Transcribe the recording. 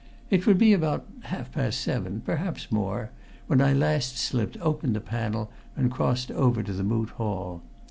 It would be about half past seven, perhaps more, when I at last slipped open the panel, and crossed over to the Moot Hall.